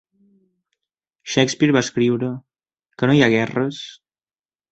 Shakespeare va escriure: "Que no hi ha guerres?"